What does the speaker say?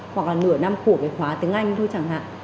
hoặc là nửa năm của cái khóa tiếng anh thôi chẳng hạn